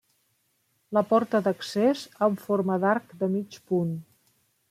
La porta d'accés en forma d'arc de mig punt.